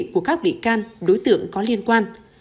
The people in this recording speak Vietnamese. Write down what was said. của các bị can đối tượng có liên quan